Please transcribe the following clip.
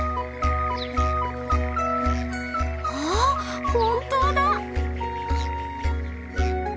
ああ本当だ！